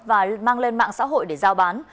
và mang lên mạng xã hội để giao bán